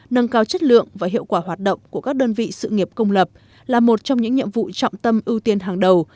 nâng cao chất lượng và hiệu quả hoạt động của các đơn vị sự nghiệp công lập là một trong những nhiệm vụ trọng tâm ưu tiên hàng đầu